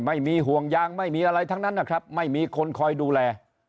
ไม่มีห่วงยางไม่มีอะไรทั้งนั้นนะครับไม่มีคนคอยดูแล